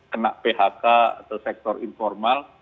kena phk atau sektor informal